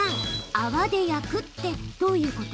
泡で焼くってどういうこと？